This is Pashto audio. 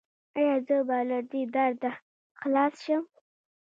ایا زه به له دې درده خلاص شم؟